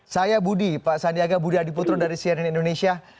saya budi pak sandiaga budi adiputro dari cnn indonesia